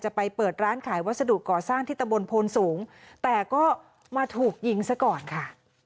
ไปเปิดร้านขายวัสดุก่อสร้างที่ตะบนโพนสูงแต่ก็มาถูกยิงซะก่อนค่ะ